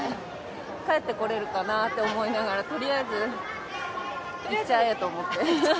帰ってこれるかなって思いながら、とりあえず行っちゃえと思って。